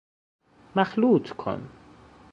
مخلوط کن